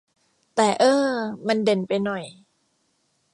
แต่ เอ้อ มันเด่นไปหน่อย